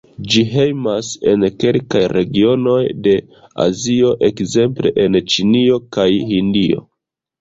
Ĝi hejmas en kelkaj regionoj de Azio, ekzemple en Ĉinio kaj Hindio.